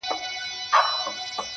خو دوى يې د مريد غمى د پير پر مخ گنډلی